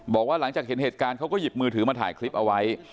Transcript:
บอกว่าหลังจากเห็นเหตุการณ์เขาก็หยิบมือถือมาถ่ายคลิปเอาไว้